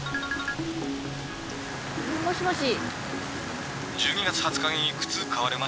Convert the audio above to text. もしもし。